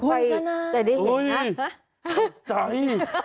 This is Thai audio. คุณชนะโอ้ยขอบใจ